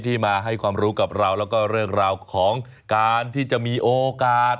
มาให้ความรู้กับเราแล้วก็เรื่องราวของการที่จะมีโอกาส